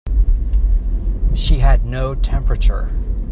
She had no temperature.